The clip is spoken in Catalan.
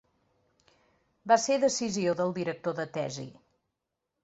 Va ser decisió del director de tesi.